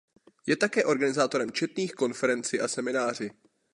Je také organizátorem četných konferenci a semináři.